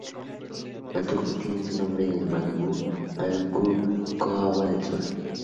Antuco obtiene su nombre del mapudungun "antu"-"ko"', "agua del sol".